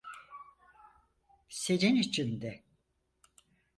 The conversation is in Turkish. Senin için de.